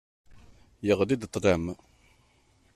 Yeɣli-d ṭlam.